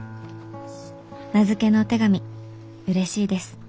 名付けのお手紙うれしいです」。